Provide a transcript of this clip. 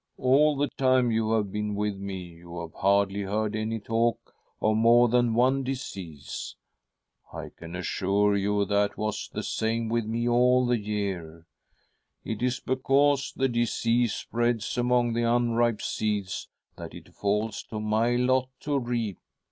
All the time you have been with me, you have hardly heard any talk of more than one disease. I can assure you that was the same with me all the year; c It is I ■ 166 THY SOUL SHALL BEAR WITNESS J because the disease spreads among the unripe seeds that it falls to my lot to reap.